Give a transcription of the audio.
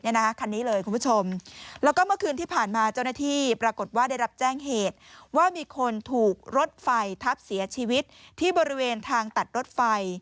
คันนี้เลยคุณผู้ชมแล้วก็เมื่อคืนที่ผ่านมาเจ้าหน้าที่ปรากฏว่าได้รับแจ้งเหตุว่ามีคนถูกรถไฟทับเสียชีวิตที่บริเวณทางตัดรถไฟ